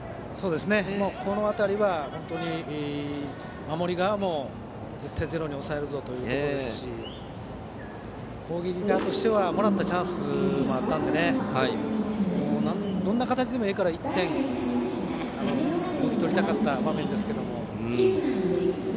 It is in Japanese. この辺りは本当に守る側も絶対ゼロに抑えるということで攻撃側としてはもらったチャンスもあったのでどんな形でもいいから１点をもぎ取りたかった場面ですけど。